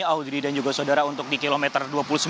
auddi dan juga saudara untuk di kilometer dua puluh sembilan